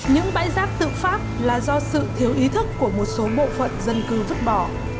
những bãi rác tự phát là do sự thiếu ý thức của một số bộ phận dân cư vứt bỏ